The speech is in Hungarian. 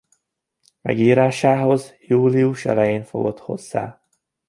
Megírásához július elején fogott hozzá.